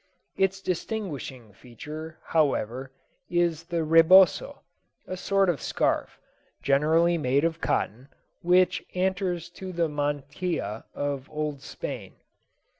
Its distinguishing, feature, however, is the reboso, a sort of scarf, generally made of cotton, which answers to the mantilla of Old Spain.